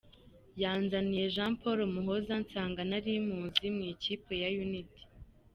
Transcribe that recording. Yanzaniye Jean Paul Muhoza nsanga nari muzi mu ikipe ya Unity.